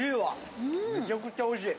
めちゃくちゃおいしい。